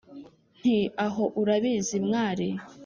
nti: «aho urabizi mwari,